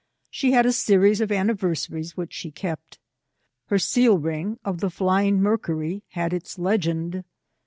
She had a series of anniversaries, which she kept. Her seal ring of the flying Mercury had its legend.